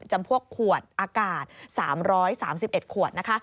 จำพวกขวดอากาศ๓๓๑ขวดนะคะ